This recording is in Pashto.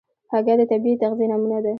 هګۍ د طبیعي تغذیې نمونه ده.